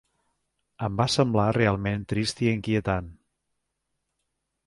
Em va semblar realment trist i inquietant.